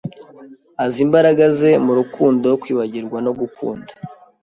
azi imbaraga ze murukundo Kwibagirwa no gukunda.